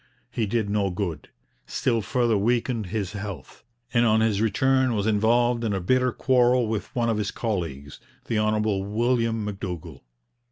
He did no good, still further weakened his health, and on his return was involved in a bitter quarrel with one of his colleagues, the Hon. William M'Dougall.